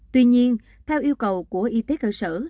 tuy nhiên theo yêu cầu của y tế cơ sở